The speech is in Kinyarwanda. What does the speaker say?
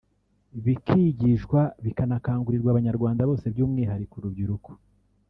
bikigishwa bikanakangurirwa Abanyarwanda bose by’umwihariko urubyiruko